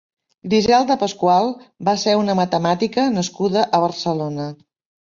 Griselda Pascual va ser una matemàtica nascuda a Barcelona.